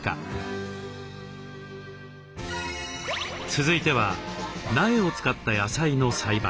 続いては苗を使った野菜の栽培。